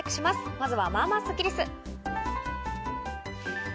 まずは、まあまあスッキりす。